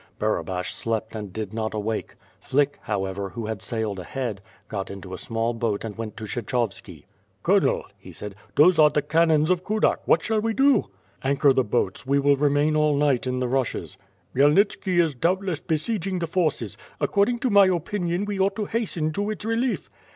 Barabash slept and did not awake; Flick, however, who had sailed ahead, got into a small boat and went to Kshe chovski. "Colonel," he said, "those are the cannons of Kudak. What shall we do?'' "Anchor the boats; we will remain all night in the rushes." "Khmyelnitski is doubtless besieging the fortress; accord ing to my opinion we ought to hasten to its relief."